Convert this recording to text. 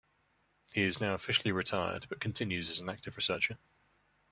He is now officially retired, but continues as an active researcher.